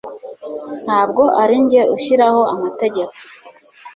Ntabwo arinjye ushyiraho amategeko